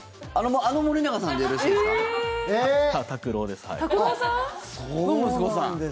あの森永さんでよろしいですか？の息子さん。